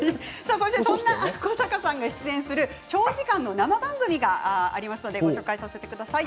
そんな古坂さんが出演する長時間の生番組があります。